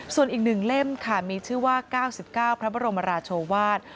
ส่วนอีก๑เล่มค่ะมีชื่อว่า๙๙พระบรมราชวาส